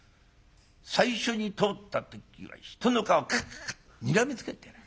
最初に通った時には人の顔クッとにらみつけてやがる。